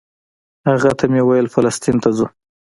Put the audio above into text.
هغه ته مې ویل فلسطین ته ځو.